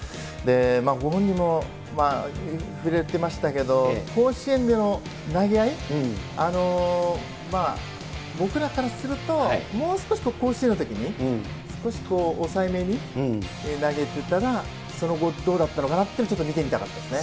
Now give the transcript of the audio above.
ご本人も触れてましたけど、甲子園での投げ合い、僕らからすると、もう少し甲子園のときに、少し抑えめに投げてたら、その後、どうだったのかっていうのを見てみたかったですね。